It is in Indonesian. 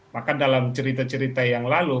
maka dalam cerita cerita yang lalu